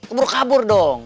udah kabur dong